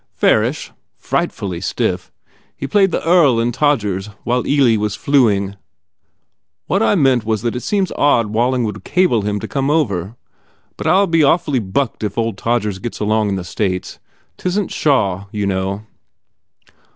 "Fairish. Frightfully stiff. He played the Earl in Todgers while Ealy was fluing. What I meant was that it seems odd Walling should cable him to come over. But I ll be awfully bucked if old Todgers gets along in the States. Tisn t Shaw, you know?"